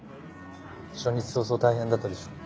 初日早々大変だったでしょ。